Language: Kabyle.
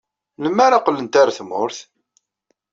Melmi ara qqlent ɣer tmurt?